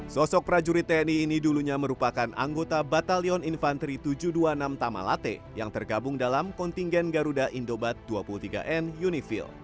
sosok prajurit tni ini dulunya merupakan anggota batalion infanteri tujuh ratus dua puluh enam tamalate yang tergabung dalam kontingen garuda indobat dua puluh tiga n unifil